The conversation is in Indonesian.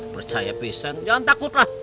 percaya pisen jangan takutlah